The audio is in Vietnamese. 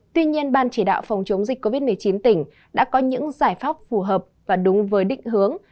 tuy nhiên ban chỉ đạo phòng chống dịch covid một mươi chín tỉnh đã có những giải pháp phù hợp và đúng với định hướng